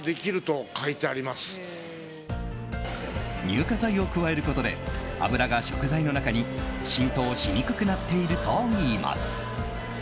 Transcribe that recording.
乳化剤を加えることで油が食材の中に浸透しにくくなっているといいます。